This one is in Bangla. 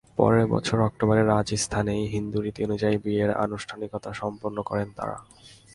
পরের বছরের অক্টোবরে রাজস্থানেই হিন্দু রীতি অনুযায়ী বিয়ের আনুষ্ঠানিকতা সম্পন্ন করেন তাঁরা।